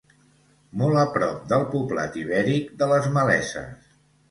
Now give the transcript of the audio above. Molt a prop del poblat ibèric de les Maleses.